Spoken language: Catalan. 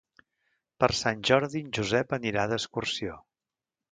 Per Sant Jordi en Josep anirà d'excursió.